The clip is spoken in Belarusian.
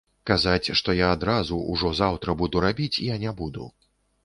Казаць, што я адразу, ужо заўтра, буду рабіць, я не буду.